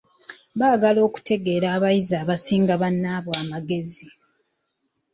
Baagala okutegeera abayizi abasinga bannaabwe amagezi.